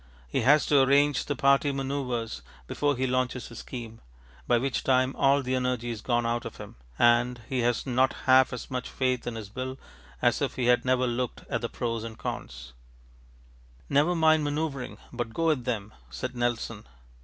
He has to arrange the party man┼ōuvres before he launches his scheme, by which time all the energy is gone out of him, and he has not half as much faith in his bill as if he had never looked at the pros and cons. ŌĆ£Never mind man┼ōuvring, but go at them, ŌĆØ said Nelson.